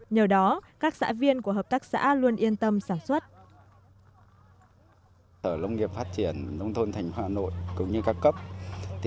nhờ đó các xã viên của hợp tác xã luôn yên tâm sản xuất